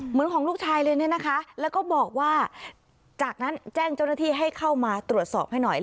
เหมือนของลูกชายเลยเนี่ยนะคะแล้วก็บอกว่าจากนั้นแจ้งเจ้าหน้าที่ให้เข้ามาตรวจสอบให้หน่อย